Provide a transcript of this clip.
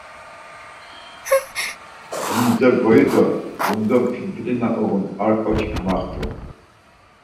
Gundze boyi do gundze p̌impili na uğun ar ǩoçi kamaxt̆u.